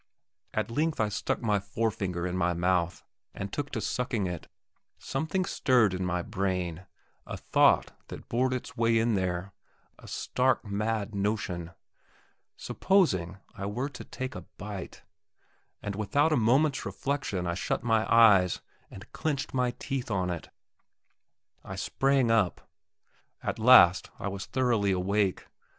At length I stuck my forefinger in my mouth, and took to sucking it. Something stirred in my brain, a thought that bored its way in there a stark mad notion. Supposing I were to take a bite? And without a moment's reflection, I shut my eyes, and clenched my teeth on it. I sprang up. At last I was thoroughly awake.